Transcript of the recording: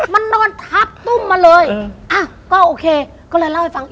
มันนอนทับตุ้มมาเลยอ่ะก็โอเคก็เลยเล่าให้ฟัง